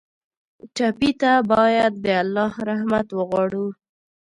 ټپي ته باید د الله رحمت وغواړو.